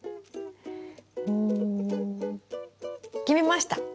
決めました。